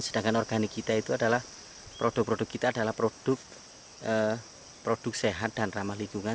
sedangkan organik kita itu adalah produk produk kita adalah produk produk sehat dan ramah lingkungan